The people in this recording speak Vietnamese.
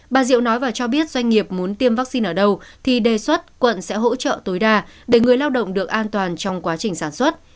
bà diệu nói và cho biết doanh nghiệp muốn tiêm vaccine ở đâu thì đề xuất quận sẽ hỗ trợ tối đa để người lao động được an toàn trong quá trình sản xuất